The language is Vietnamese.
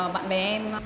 bạn bè em